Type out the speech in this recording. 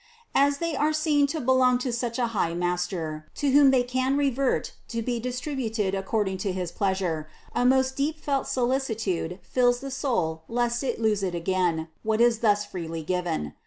As they are seen to belong to such a high Master, to whom they can revert to be distributed accord ing to his pleasure, a most deep felt solicitude fills the soul lest it lose again, what is thus freely given.